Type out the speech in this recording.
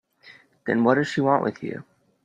Then what does she want with you?